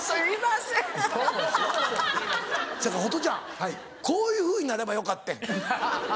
せやからホトちゃんこういうふうになればよかってん。